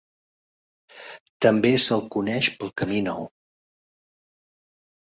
També se'l coneix per Camí Nou.